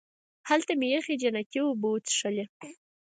هلته مې یخې جنتي اوبه وڅښلې.